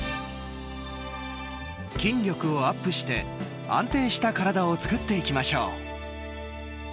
筋力をアップして安定した体を作っていきましょう。